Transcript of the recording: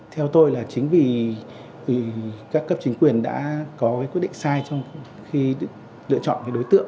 theo tôi là chính vì các cấp chính quyền đã có quyết định sai trong khi lựa chọn đối tượng